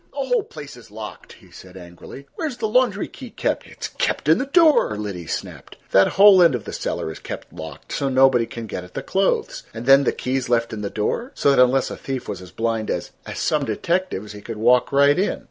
"The whole place is locked," he said angrily. "Where's the laundry key kept?" "It's kept in the door," Liddy snapped. "That whole end of the cellar is kept locked, so nobody can get at the clothes, and then the key's left in the door? so that unless a thief was as blind as—as some detectives, he could walk right in."